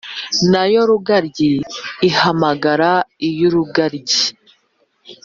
na yo rugaryi ihamagara iy’urugaryi,